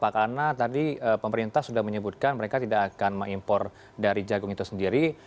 karena tadi pemerintah sudah menyebutkan mereka tidak akan mengimpor dari jagung itu sendiri